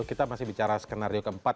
kita masih bicara skenario keempat